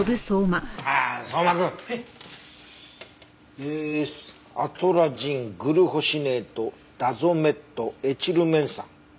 えアトラジングルホシネートダゾメットエチルメン酸。